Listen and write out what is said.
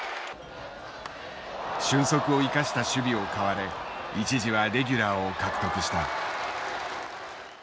俊足を生かした守備を買われ一時はレギュラーを獲得した。